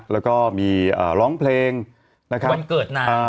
แล้วก็มีร้องเพลงนะครับวันเกิดนาง